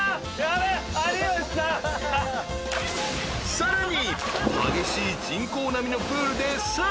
［さらに］